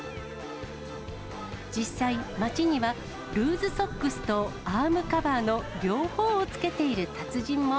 実際、街にはルーズソックスとアームカバーの両方をつけている達人も。